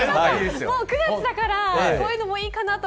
もう９月だからこういうものもいいかなと